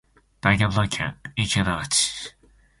長野県池田町